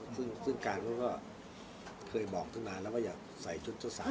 ซึ่งการเขาก็เคยบอกตั้งนานแล้วว่าอยากใส่ชุดเจ้าสาว